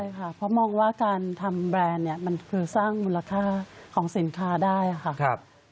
ใช่ค่ะเพราะมองว่าการทำแบรนด์เนี่ยมันคือสร้างมูลค่าของสินค้าได้ค่ะ